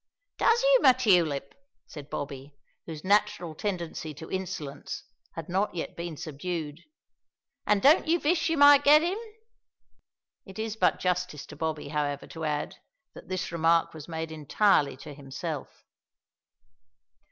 "Does you, my tulip?" said Bobby, whose natural tendency to insolence had not yet been subdued; "an' don't you vish you may get 'im!" It is but justice to Bobby, however, to add, that this remark was made entirely to himself.